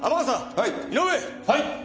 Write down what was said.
はい。